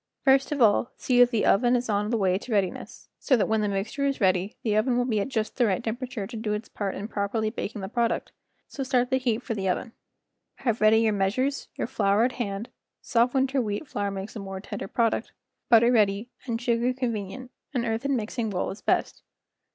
First of all see that the oven is on the way to readiness, so that when the mixture is ready the oven will be at just the right tem¬ perature to do its part in properly baking the product; so start the heat for the oven. Have ready your measures, your flour at hand (soft winter wheat flour makes a more tender product), butter ready, and sugar con¬ venient—an earthen mixing bowl is best.